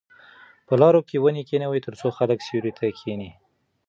په لارو کې ونې کېنئ ترڅو خلک سیوري ته کښېني.